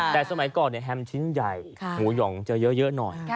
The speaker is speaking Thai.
แต่สมัยก่อนแฮมชิ้นใหญ่หมูหย่องจะเยอะหน่อย